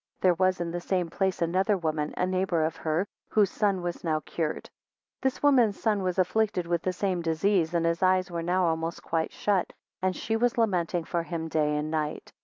7 There was in the same place another woman, a neighbour of her, whose son was now cured. 8 This woman's son was afflicted with the same disease, and his eyes were now almost quite shut, and she was lamenting for him day and night.